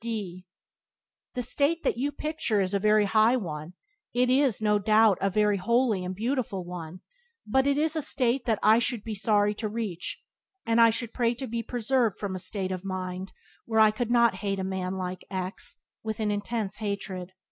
D The state that you picture is a very high one — it is, no doubt, a very holy and beautiful one — but it is a state that I should be sorry to reach; and I should pray to be preserved from a state of mind where I could not hate a man like X with an intense hatred.